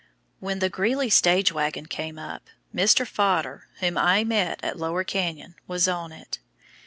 When the Greeley stage wagon came up, Mr. Fodder, whom I met at Lower Canyon, was on it.